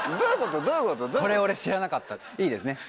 これ俺知らなかったいいですねでも。